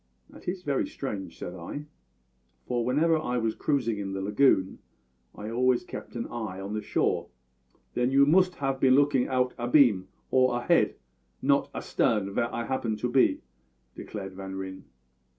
"That is very strange," said I, "for whenever I was cruising in the lagoon I always kept an eye on the shore." "Then you moost 'ave been lookin' out abeam, or ahead, not astarn, vhere I 'appened to be," declared Van Ryn.